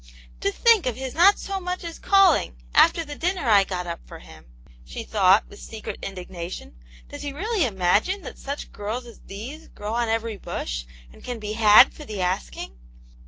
"To think of his not so much as calling, after the dinner I got up for him !" she thought, with secret indignation. "Does he really imagine that such girls as these grow on every bush, and can be had for the asking?"